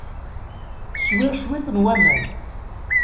Sriɣ cwiṭ n waman.